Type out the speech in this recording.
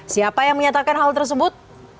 siapa yang menyatakan hal tersebut